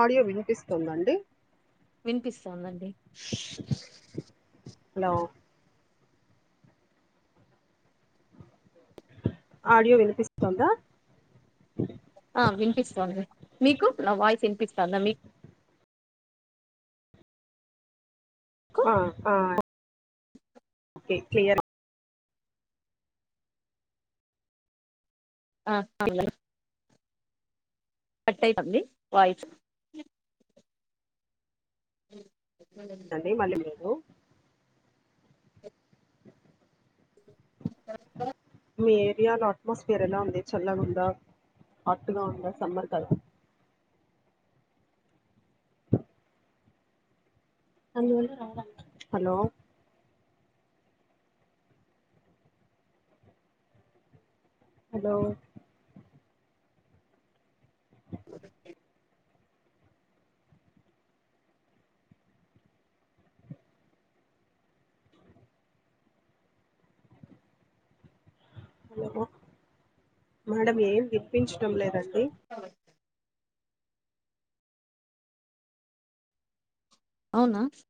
Audio వినిపిస్తోందండి వినిపిస్తుందండి hello audio వినిపిస్తుందా ఆ వినిపిస్తుంది. మీకు నా వాయిస్ వినిపిస్తుంద మీకు ఆ ఆ ఓకే క్లియర్ గ్ ఆ ఆ పిల్లలు కట్ అయితంది వాయిస్ ఉమ్ అండి మళ్ళీ మేము [unintelligible] మీ ఏరియాలో అట్మాస్పియర్ ఎలా ఉంది. చల్లగా ఉందా హాట్ గా ఉందా సమ్మర్ కదా. అందువల్ల రాదంట హలో మేడం ఏం విప్పించడం లేదండి. హా లే అవునా ఇప్ప్